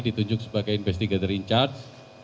ditunjuk sebagai investigator in charge